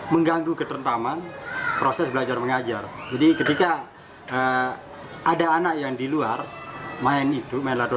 mengganggu ketentaman proses belajar mengajar jadi ketika ada anak yang di luar main itu